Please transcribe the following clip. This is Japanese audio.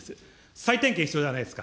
再点検必要じゃないですか。